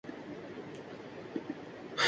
رضیہؔ کیا کام ہمیں گنج گراں مایہ سے